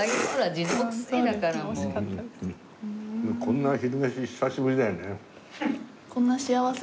こんな昼飯久しぶりだよね。